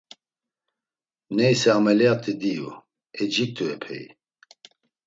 Neyse ameliyat̆i diyu, e ciktu epeyi.